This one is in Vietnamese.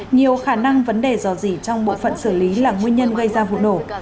nhiều khả năng vấn đề dò dỉ trong bộ phận xử lý là nguyên nhân gây ra vụ nổ